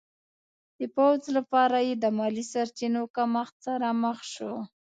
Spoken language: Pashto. د پوځ لپاره یې د مالي سرچینو کمښت سره مخ شو.